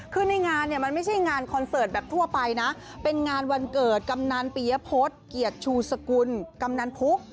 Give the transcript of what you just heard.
คือในงานเนี่ยมันไม่ใช่งานคอนเสิร์ตแบบทั่วไปนะเป็นงานวันเกิดกำนันปียพฤษเกียรติชูสกุลกำนันพุก